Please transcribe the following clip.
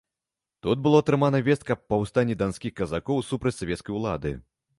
Тут было атрымана вестка аб паўстанні данскіх казакоў супраць савецкай улады.